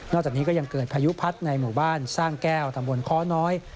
จากนี้ก็ยังเกิดพายุพัดในหมู่บ้านสร้างแก้วตำบลค้อน้อย